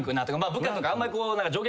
部下とかあんまり。